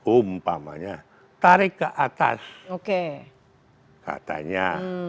umpamanya tarik ke atas katanya